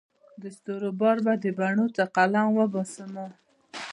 د ستورو بار به د بڼو تر قلم وباسمه